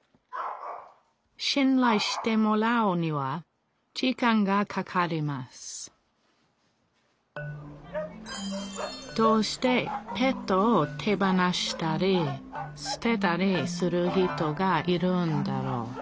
しんらいしてもらうには時間がかかりますどうしてペットを手放したりすてたりする人がいるんだろう？